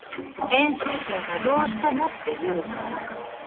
編集長がどうしてもって言うから。